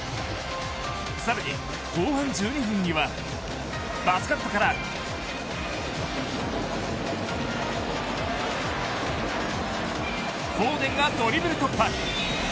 さらに後半１２分にはパスカットからフォーデンがドリブル突破。